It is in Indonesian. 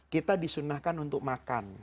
kita disunnahkan untuk makan